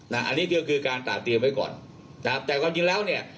อันนี้ก็คือการตาเตรียมไว้ก่อนนะครับแต่ความจริงแล้วเนี่ย